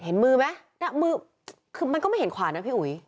เห็นมือไหมน่ะมือคือมันก็ไม่เห็นขวานนะพี่อุ๋ย